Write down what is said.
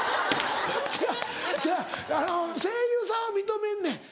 違う違うあの声優さんは認めんねん。